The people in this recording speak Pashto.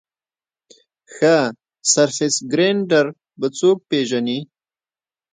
ښه سرفېس ګرېنډر به څوک پېژني ؟